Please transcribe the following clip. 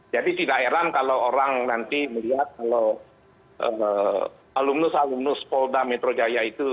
jadi tidak heran kalau orang nanti melihat kalau alumnus alumnus kapolda metro jaya itu